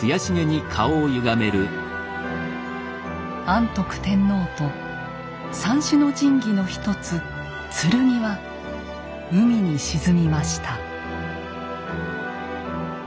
安徳天皇と三種の神器の一つ剣は海に沈みました。